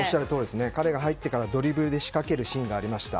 彼が入ってからドリブルで仕掛けるシーンもありました。